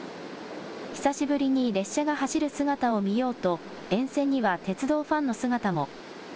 久しぶりに列車が走る姿を見ようと沿線には鉄道ファンの姿も。